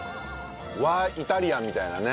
和イタリアンみたいなね。